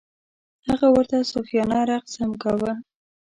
هغه ورته صوفیانه رقص هم کاوه.